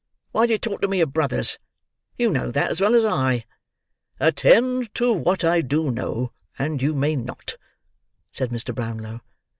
Why do you talk to me of brothers? You know that, as well as I." "Attend to what I do know, and you may not," said Mr. Brownlow.